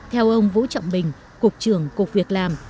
theo ông vũ trọng bình cục trưởng cục việc làm